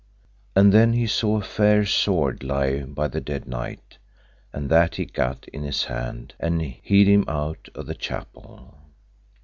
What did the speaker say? And then he saw a fair sword lie by the dead knight, and that he gat in his hand and hied him out of the chapel.